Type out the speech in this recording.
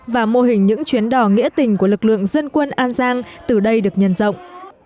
và mô hình những chuyến đò nghĩa tình của lực lượng dân quân an giang từ đây được nhân rộng